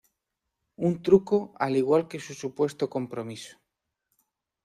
Un truco al igual que su supuesto compromiso.